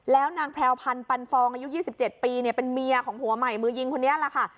แล้วนางแพรวพันธ์ปันฟองอายุ๒๗ปีเป็นเมียของผัวใหม่มือยิงคนนี้แหละค่ะ